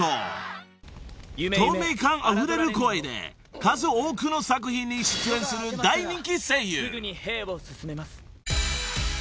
［透明感あふれる声で数多くの作品に出演する大人気声優］